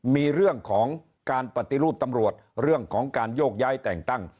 มีเรื่องของการปฏิรูปตำรวจเรื่องของการโยกย้ายแต่งตั้ง